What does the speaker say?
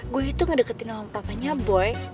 gue itu ngedeketin sama papanya boy